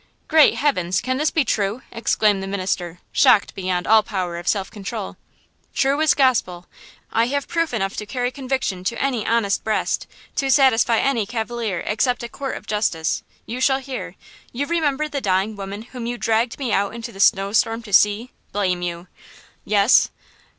"Great heavens! can this be true?" exclaimed the minister, shocked beyond all power of self control. "True as gospel! I have proof enough to carry conviction to any honest breast–to satisfy any caviller–except a court of justice. You shall hear. You remember the dying woman whom you dragged me out in the snowstorm to see–blame you!" "Yes."